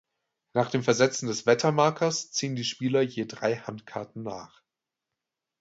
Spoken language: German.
Nach dem Versetzen des Wettermarkers ziehen die Spieler je drei Handkarten nach.